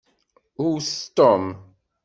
Wwtet Tom.